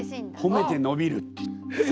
褒めて伸びるっていう。